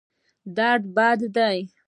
درد بد دی.